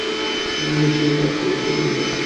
সে কাছে এসে পড়েছিল।